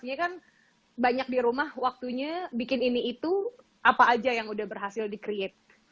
biasanya kan banyak di rumah waktunya bikin ini itu apa aja yang udah berhasil di create